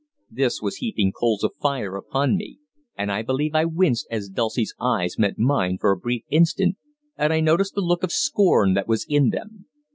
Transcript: This was heaping coals of fire upon me, and I believe I winced as Dulcie's eyes met mine for a brief instant and I noticed the look of scorn that was in them.